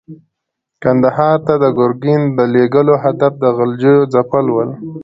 کندهار ته د ګورګین د لېږلو هدف د غلجیو ځپل ول.